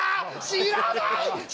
知らない！」。